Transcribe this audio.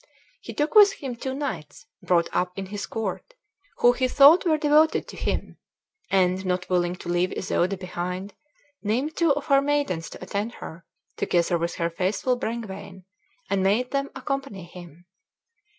He took with him two knights, brought up in his court, who he thought were devoted to him; and, not willing to leave Isoude behind, named two of her maidens to attend her, together with her faithful Brengwain, and made them accompany him.